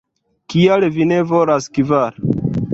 Kial vi ne volas kvar?"